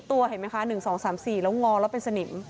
ตัวเห็นไหมคะ๑๒๓๔แล้วงอแล้วเป็นสนิม